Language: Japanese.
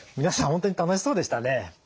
皆さん本当に楽しそうでしたね。